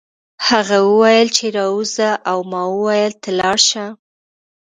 هغه وویل چې راوځه او ما وویل ته لاړ شه